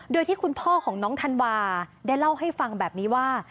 โดยที่คุณพ่อของน้องธันวาได้เล่าให้ฟังแบบนี้ว่า